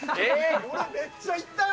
めっちゃいったよ。